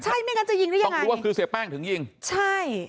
ใช่ไม่งั้นจะยิงได้ยังไงต้องรู้ว่าคือเสียแป้งถึงยิงใช่